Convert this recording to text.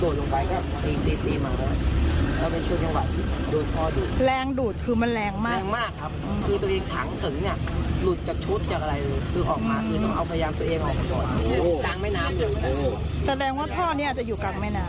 แสดงว่าท่อนี้จะอยู่กลางแม่น้ำ